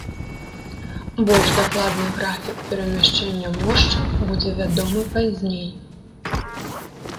Больш дакладны графік перамяшчэння мошчаў будзе вядомы пазней.